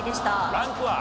ランクは？